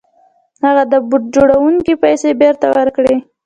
هغه د بوټ جوړوونکي پيسې بېرته ورکړې.